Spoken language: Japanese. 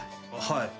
はい。